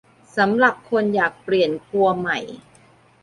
สำหรับคนอยากเปลี่ยนครัวใหม่